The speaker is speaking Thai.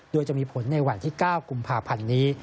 โดยจะมีผลในวันที่๙กุมภาพันธ์นี้